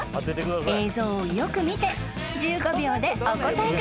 ［映像をよく見て１５秒でお答えください］